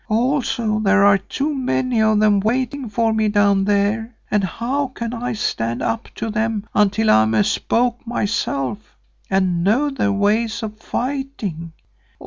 Also there are too many of them waiting for me down there and how can I stand up to them until I am a spook myself and know their ways of fighting?